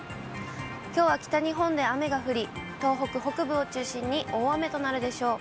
きょうは北日本で雨が降り、東北北部を中心に大雨となるでしょう。